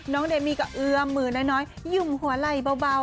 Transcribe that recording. เดมี่ก็เอื้อมมือน้อยหยุ่มหัวไหล่เบา